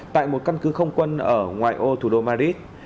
tại một căn cứ không quân ở ngoài ô thủ đô madit